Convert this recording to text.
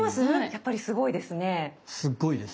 やっぱりすごいですね。